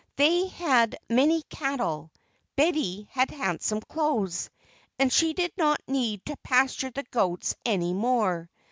They had many cattle. Betty had handsome clothes, and she did not need to pasture the goats any more.